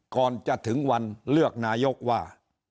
ก่อนจะถึงวันเลือกนายกว่า